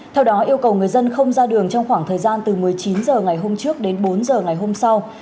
theo đó yêu cầu người dân không ra đường trong khoảng thời gian từ một mươi chín h ngày hôm trước đến bốn h ngày hôm sau